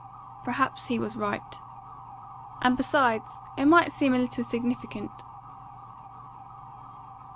"Perhaps he was right." "And besides, it might seem a little significant."